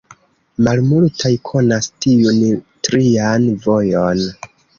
Malmultaj konas tiun trian vojon.